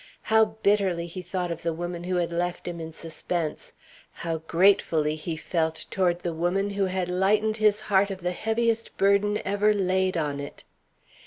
How bitterly he thought of the woman who had left him in suspense how gratefully he felt toward the woman who had lightened his heart of the heaviest burden ever laid on it!